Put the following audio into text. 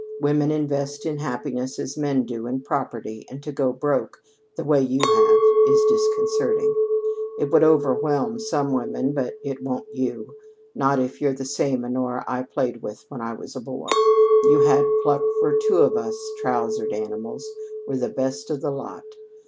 Women invest in happiness as men do in property, and to 'go broke' the way you have is disconcerting. It would overwhelm some women; but it won't you not if you're the same Honora I played with when I was a boy. You had pluck for two of us trousered animals were the best of the lot.